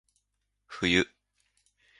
冬